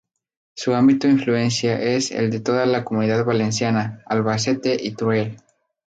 Su ámbito influencia es el de toda la Comunidad Valenciana, Albacete y Teruel.